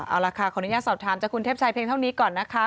เอาล่ะค่ะขออนุญาตสอบถามจากคุณเทพชัยเพียงเท่านี้ก่อนนะคะ